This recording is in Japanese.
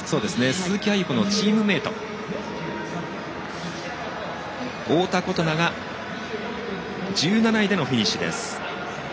鈴木亜由子のチームメート太田琴菜が１７位でのフィニッシュ。